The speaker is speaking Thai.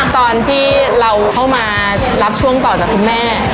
ตอนที่เราเข้ามารับช่วงต่อจากคุณแม่